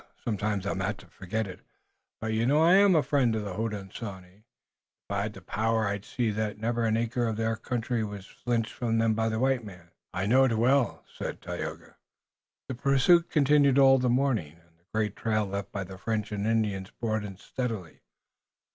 Sometimes I'm apt to forget it, but you know I'm a friend of the Hodenosaunee. If I had the power I'd see that never an acre of their country was filched from them by the white men." "I know it well, Dagaeoga." The pursuit continued all the morning, and the great trail left by the French and Indians broadened steadily.